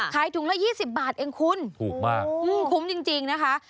ขายถุงละ๒๐บาทเองคุณถูกมากคุ้มจริงนะคะ